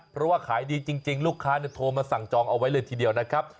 เพราะว่าขายดีจริงลูกค้าโทรมาสั่งจองเอาไว้เลยทีเดียวนะครับ